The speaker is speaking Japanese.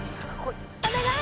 お願い！